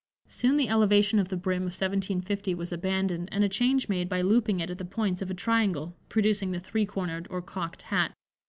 Soon the elevation of the brim of 1750 was abandoned and a change made by looping it at the points of a triangle, producing the three cornered or "cocked" hat.